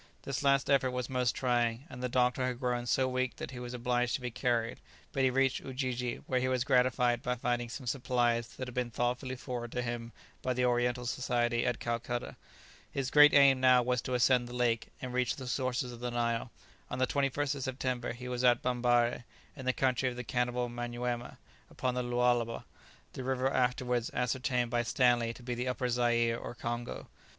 This last effort was most trying, and the doctor had grown so weak that he was obliged to be carried, but he reached Ujiji, where he was gratified by finding some supplies that had been thoughtfully forwarded to him by the Oriental Society at Calcutta. [Illustration: "You are Dr. Livingstone, I presume?"] His great aim now was to ascend the lake, and reach the sources of the Nile. On the 21st of September he was at Bambarré, in the country of the cannibal Manyuema, upon the Lualaba, the river afterwards ascertained by Stanley to be the Upper Zaire or Congo.